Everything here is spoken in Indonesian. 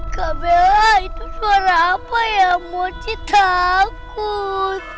kak bella itu suara apa ya mochi takut